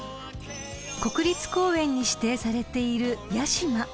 ［国立公園に指定されている］